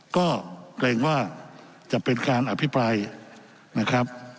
ก็เกรงว่าจะเป็นการอภิปรายนะครับ